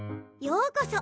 ようこそ